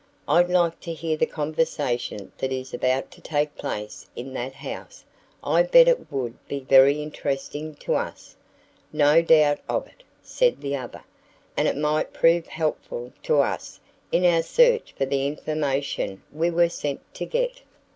"I'd like to hear the conversation that is about to take place in that house. I bet it would be very interesting to us." "No doubt of it," said the other; "and it might prove helpful to us in our search for the information we were sent to get."